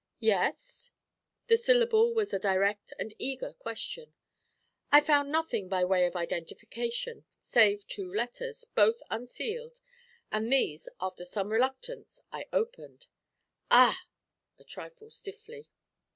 'Yes?' The syllable was a direct and eager question. 'I found nothing by way of identification save two letters, both unsealed, and these, after some reluctance, I opened.' 'Ah!' A trifle stiffly.